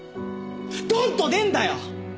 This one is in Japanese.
ドンと出るんだよ！